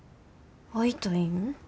会いたいん？